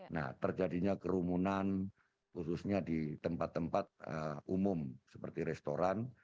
nah terjadinya kerumunan khususnya di tempat tempat umum seperti restoran